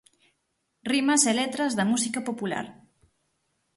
Rimas e letras da música popular.